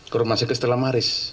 kerumah sekustil maris